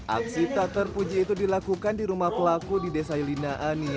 aksi tak terpuji itu dilakukan di rumah pelaku di desa yelina ani